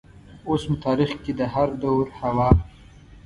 اوس مو تاریخ کې د هردور حوا